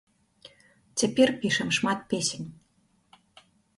Цяпер пішам шмат песень.